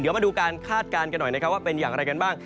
เดี๋ยวมาดูการคาดการณ์กันหน่อยนะครับว่าเป็นอย่างไรกันบ้าง